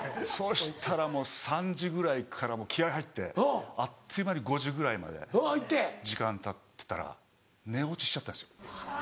そしたらもう３時ぐらいからもう気合入ってあっという間に５時ぐらいまで時間たってたら寝落ちしちゃったんですよ。